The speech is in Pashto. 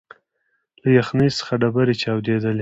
له یخنۍ څخه ډبري چاودېدلې